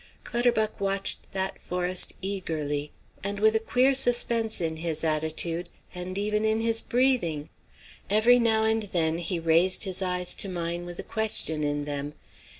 Clutterbuck watched that forest eagerly, and with a queer suspense in his attitude and even in his breathing. Every now and then he raised his eyes to mine with a question in them.